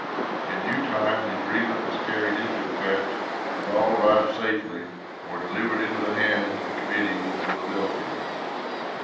In due time the agreement was carried into effect, and all arrived safely and were delivered into the hands of the Committee in Philadelphia.